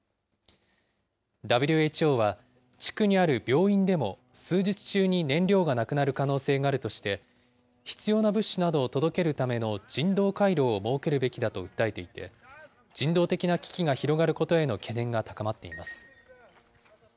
ＷＨＯは地区にある病院でも数日中に燃料がなくなる可能性があるとして、必要な物資などを届けるための人道回廊を設けるべきだと訴えていて、人道的な危機が広がることへの懸念が高まっています。